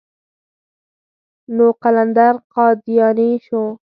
نو قلندر قادياني شو.